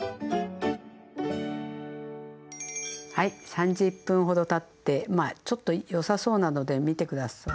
３０分ほどたってまあちょっとよさそうなので見て下さい。